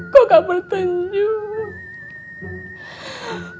kok gak bertenggung